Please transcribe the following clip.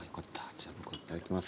じゃあいただきます。